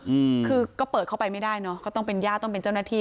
อืมคือก็เปิดเข้าไปไม่ได้เนอะก็ต้องเป็นญาติต้องเป็นเจ้าหน้าที่